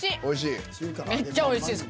めっちゃおいしいです。